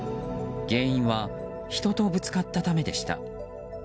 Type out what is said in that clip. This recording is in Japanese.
原因は人とぶつかったためでした。